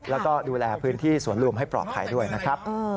แล้วก็ดูแลพื้นที่สวนลุมให้ปลอดภัยด้วยนะครับ